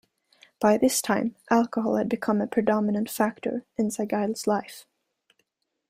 By this time, alcohol had become a predominant factor in Saigal's life.